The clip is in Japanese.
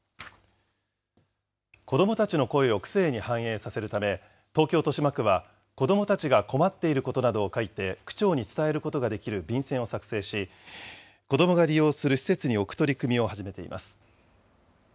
子どもたちの声を区政に反映させるため、東京・豊島区は、子どもたちが困っていることなどを書いて、区長に伝えることができる便せんを作成し、子どもが利用する施設に置く取り組みを始めています。